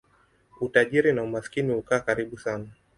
Utajiri na umaskini hukaa karibu sana.